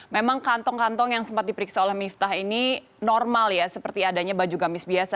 memang kantong kantong yang sempat diperiksa oleh miftah ini normal ya seperti adanya baju gamis biasa